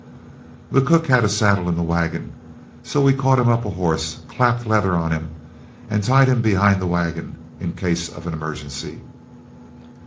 The cook had a saddle in the wagon, so we caught him up a horse, clapped leather on him, and tied him behind the wagon in case of an emergency.